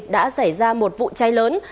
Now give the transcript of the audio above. đã xảy ra một vụ cháy lớn